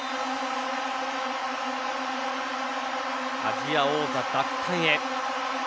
アジア王者奪還へ。